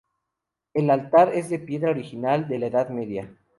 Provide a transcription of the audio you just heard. El altar es de piedra, original de la Edad Media.